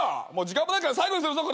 時間もないから最後にするぞ！